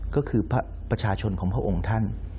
ก็คือประชาชนของพระองค์ท่าน